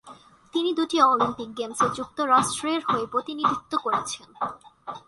তিনি দুটি অলিম্পিক গেমসে যুক্তরাষ্ট্রের হয়ে প্রতিনিধিত্ব করেছেন।